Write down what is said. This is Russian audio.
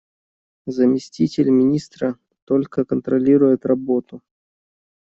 Заместитель министра только контролирует работу.